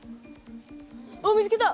あっ見つけた！